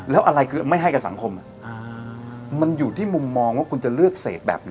แล้วอะไรคือไม่ให้กับสังคมมันอยู่ที่มุมมองว่าคุณจะเลือกเสกแบบไหน